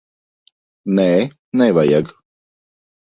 Nē, nevajag.